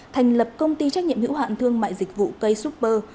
thành lập công ty trách nhiệm hữu hạn thương mại dịch vụ cây super